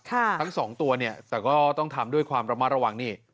ทั้งสองตัวเนี่ยแต่ก็ต้องทำด้วยความระมัดระวังนี่